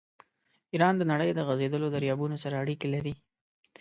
ایران د نړۍ د غځېدلو دریابونو سره اړیکې لري.